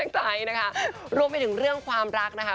ใจนะคะรวมไปถึงเรื่องความรักนะคะ